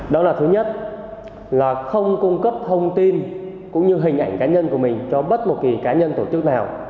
đó là thứ nhất là không cung cấp thông tin cũng như hình ảnh cá nhân của mình cho bất kỳ cá nhân tổ chức nào